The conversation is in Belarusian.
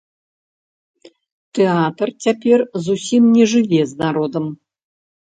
Тэатр цяпер зусім не жыве з народам.